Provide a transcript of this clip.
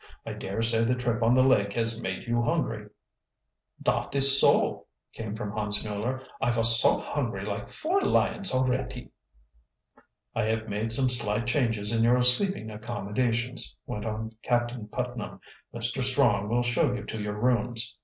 I dare say the trip on the lake has made you hungry." "Dot is so," came from Hans Mueller. "I vos so hungry like four lions alretty." "I have made some slight changes in your sleeping accommodations," went on Captain Putnam. "Mr. Strong will show you to your rooms."